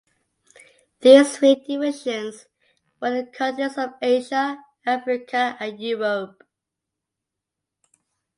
These three divisions were the continents of Asia, Africa and Europe.